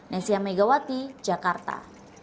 nesya megawati jakarta